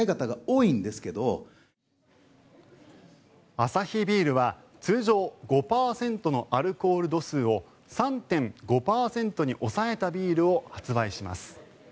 アサヒビールは通常５％のアルコール度数を３．５％に抑えたビールを発売します。